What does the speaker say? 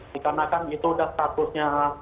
dikarenakan itu sudah statusnya